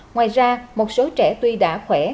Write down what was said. ngoài ra một số trẻ tuy đã khỏe